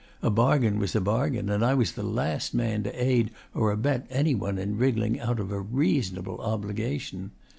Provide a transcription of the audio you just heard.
A bargain was a bargain, and I was the last man to aid or abet any one in wriggling out of a reasonable obligation.